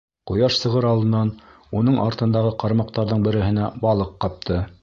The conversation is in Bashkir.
Ҡояш сығыр алдынан уның артындағы ҡармаҡтарҙың береһенә балыҡ ҡапты.